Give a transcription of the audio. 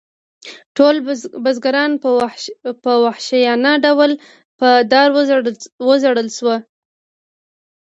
ټول بزګران په وحشیانه ډول په دار وځړول شول.